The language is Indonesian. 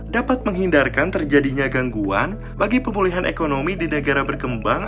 dapat menghindarkan terjadinya gangguan bagi pemulihan ekonomi di negara berkembang